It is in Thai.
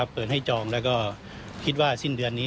เปิดให้จองแล้วก็คิดว่าสิ้นเดือนนี้